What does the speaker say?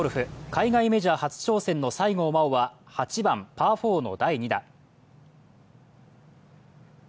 海外メジャー初挑戦の西郷真央は８番パー４の第２打。